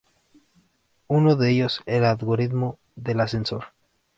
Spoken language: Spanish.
Uno de ellos el algoritmo del ascensor.